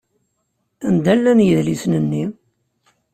Anda llan yidlisen-nni?